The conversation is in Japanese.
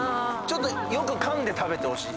よくかんで食べてほしい。